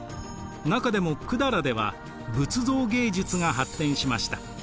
中でも百済では仏像芸術が発展しました。